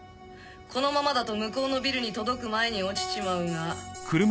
このままだと向こうのビルに届く前に落ちちまうが。